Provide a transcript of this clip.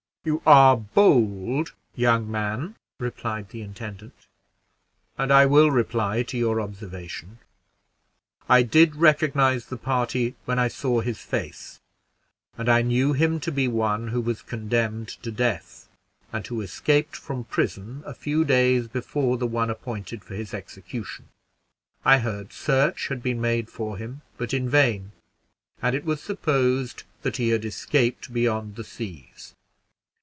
"You are bold, young man," replied the intendant, "and I will reply to your observation. I did recognize the party when I saw his face, and I knew him to be one who was condemned to death, and who escaped from prison a few days before the one appointed for his execution. I heard search had been made for him, but in vain, and it was supposed that he had escaped beyond the seas.